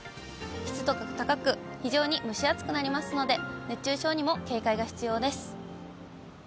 湿度が高く、非常に蒸し暑くなりますので、熱中症にも警戒が必要です。